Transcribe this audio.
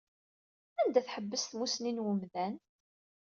Anda tḥebbes tmusni n wemdan?